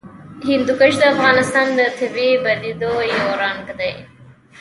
هندوکش د افغانستان د طبیعي پدیدو یو رنګ دی.